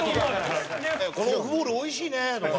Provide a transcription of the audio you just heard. このオフボールおいしいねとか。